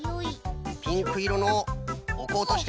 ピンクいろのをおこうとしている。